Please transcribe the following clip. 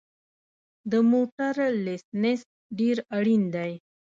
د موټر لېسنس ډېر اړین دی